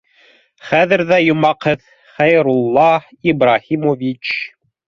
— Хәҙер ҙә йомаҡ һеҙ, Хәйрулла Ибраһимович